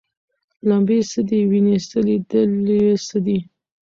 لمبې څه دي ویني څه لیدل یې څه دي